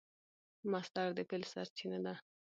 مصدر د فعل سرچینه ده.